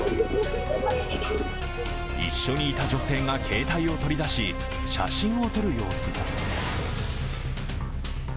一緒にいた女性が携帯を取り出し、写真を撮る様子も。